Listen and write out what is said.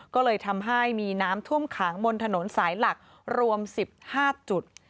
ก็เลยทำให้มีน้ำท่วมขังบนถนนสายหลักรวม๑๕จุด